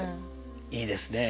いいですね。